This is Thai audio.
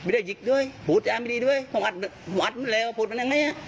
ค่าเชียร์ให้รับไม่อยากขายเอง